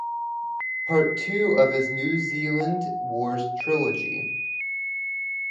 Part two of his New Zealand Wars trilogy.